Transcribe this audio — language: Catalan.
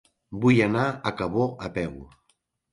Vull anar a Cabó a peu.